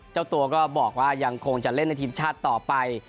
เจ้าตัวก็บอกว่ายังคงจะเล่นในทีมชาติต่อไป